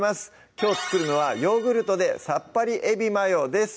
きょう作るのは「ヨーグルトでさっぱりエビマヨ」です